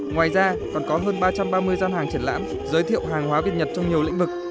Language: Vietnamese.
ngoài ra còn có hơn ba trăm ba mươi gian hàng triển lãm giới thiệu hàng hóa việt nhật trong nhiều lĩnh vực